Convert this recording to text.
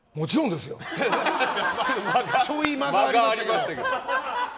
ちょい、間がありましたけど。